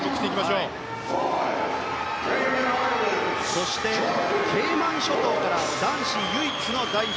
そしてケイマン諸島から男子唯一の代表